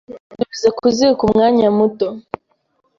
Usubiza ku ziko umwanya muto